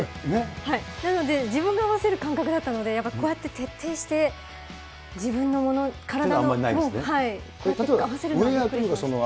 なので、自分が合わせる感覚だったので、やっぱこうやって徹底して自分のもの、体に合わせるのは。